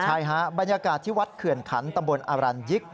ใช่ฮะบรรยากาศที่วัดเขื่อนขันตำบลอรัญยิกษ